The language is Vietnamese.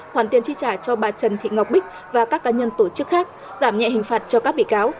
hoàn tiền chi trả cho bà trần thị ngọc bích và các cá nhân tổ chức khác giảm nhẹ hình phạt cho các bị cáo